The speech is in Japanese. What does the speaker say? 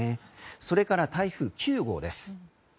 それから台風９号です。